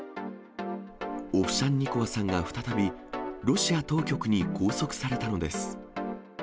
オフシャンニコワさんが再びロシア当局に拘束されたのです。